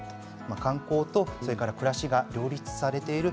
観光と暮らしが両立されている。